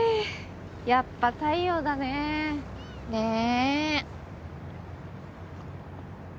やっぱ太陽だね。ねぇ。